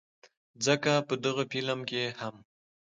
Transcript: ځکه په دغه فلم کښې هم